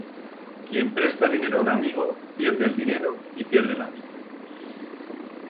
Quien presta dinero a un amigo, pierde el dinero y pierde el amigo